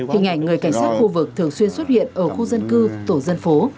hình ảnh người cảnh sát khu vực thường xuyên xuất hiện ở khu dân cư tổ dân phố